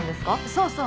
そうそう。